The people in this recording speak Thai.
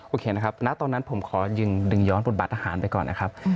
โอเคนะครับณตอนนั้นผมขอยืนดึงย้อนบทบาทอาหารไปก่อนนะครับ